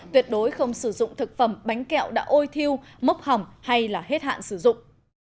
tuyệt đối không sử dụng thực phẩm bánh kẹo đã ôi thiêu mốc hỏng hay là hết hạn sử dụng